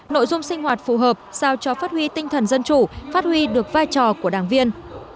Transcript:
nội dung sinh hoạt phù hợp sao cho phát huy tinh thần dân chủ phát huy được vai trò của đảng viên